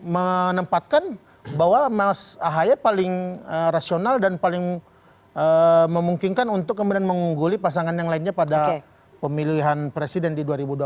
menempatkan bahwa mas ahaye paling rasional dan paling memungkinkan untuk kemudian mengungguli pasangan yang lainnya pada pemilihan presiden di dua ribu dua puluh empat